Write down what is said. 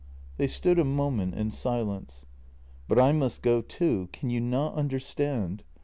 They stood a moment in silence. "But I must go too. Can you not understand?